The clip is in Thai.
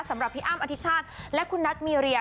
สำหรับพี่อ้ำอธิชาติและคุณนัทมีเรีย